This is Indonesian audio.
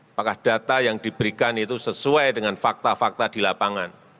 apakah data yang diberikan itu sesuai dengan fakta fakta di lapangan